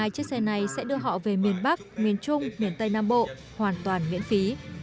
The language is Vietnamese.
hai mươi chiếc xe này sẽ đưa họ về miền bắc miền trung miền tây nam bộ hoàn toàn miễn phí